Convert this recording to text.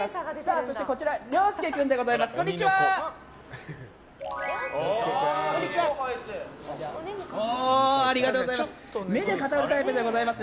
そしてこちらりょうすけ君でございます。